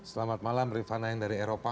selamat malam rifana yang dari eropa